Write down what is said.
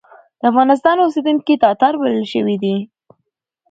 د افغانستان اوسېدونکي تاتار بلل شوي دي.